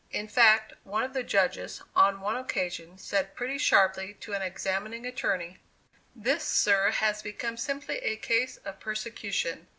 In fact, one of the judges, on one occasion, said pretty sharply to an examining attorney: "This, sir, has become simply a case of persecution.